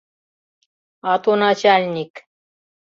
А то начальник...